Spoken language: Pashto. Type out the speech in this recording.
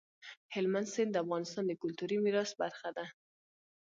هلمند سیند د افغانستان د کلتوري میراث برخه ده.